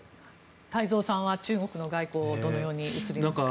太蔵さんは中国の外交どのように映りますか？